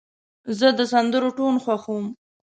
زه د سندرو ټون خوښوم.